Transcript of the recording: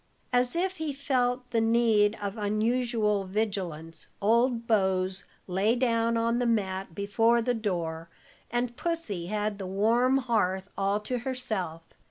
As if he felt the need of unusual vigilance, old Bose lay down on the mat before the door, and pussy had the warm hearth all to herself.